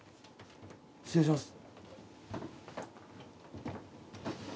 失礼します。